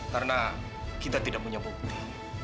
karena kita tidak punya bukti